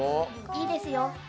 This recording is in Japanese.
いいですよ。